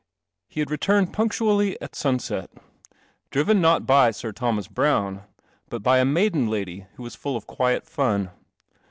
He had returned punctually at sunset — driven not by Sir Thomas Browne, but by a maiden lady who was full of quiet fun.